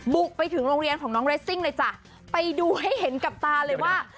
บุกไปถึงโรงเรียนของน้องเรสซิ่งเลยจ้ะไปดูให้เห็นกับตาเลยว่า